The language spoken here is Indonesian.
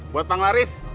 buat bang laris